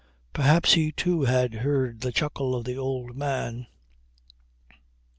Perhaps he too had heard the chuckle of the old man.